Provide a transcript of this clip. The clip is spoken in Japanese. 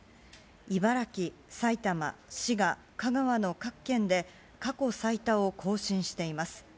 茨城、埼玉、滋賀、香川の各県で、過去最多を更新しています。